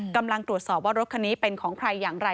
กำลังตรวจสอบว่ารถคันนี้เป็นของใครอย่างไร